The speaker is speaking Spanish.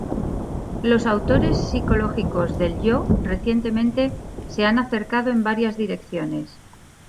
Los autores psicológicos del Yo recientemente se han acercado en varias direcciones.